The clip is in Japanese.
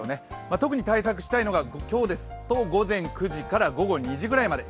特に対策したいのが今日ですと午前９時から午後２時ぐらいまで。